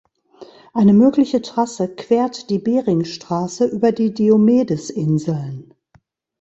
Eine mögliche Trasse quert die Beringstraße über die Diomedes-Inseln.